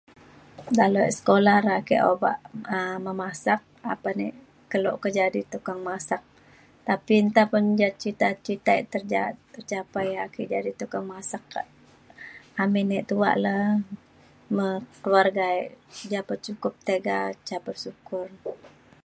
dalau e sekolah re ake obak um memasak apan e kelo kejadi tukang masak tapi nta pa ja cita cita e terja- tercapai ake jadi tukang masak kak amin e tuak le me keluarga e ja pe cukup tega ca bersyukur